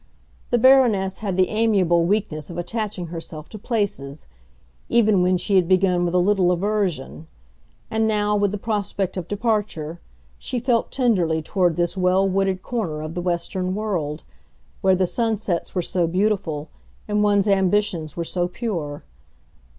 The Baroness had the amiable weakness of attaching herself to places—even when she had begun with a little aversion; and now, with the prospect of departure, she felt tenderly toward this well wooded corner of the Western world, where the sunsets were so beautiful and one's ambitions were so pure.